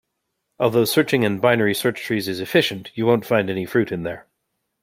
Although searching in binary search trees is efficient, you won't find any fruit in there.